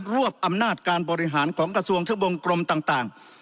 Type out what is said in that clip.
วบอำนาจการบริหารของกระทรวงทะบงกรมต่าง